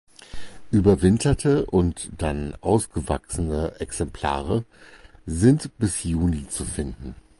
Überwinterte und dann ausgewachsene Exemplare sind bis Juni zu finden.